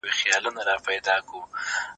د بلا مخ ته هغه وو پرې ایستلی